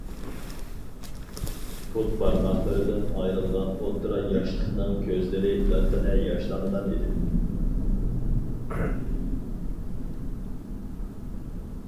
پۇت بارماقلىرىدىن ئايرىلغان ئوتتۇرا ياشلىقنىڭ كۆزلىرى لىققىدە ياشلانغان ئىدى.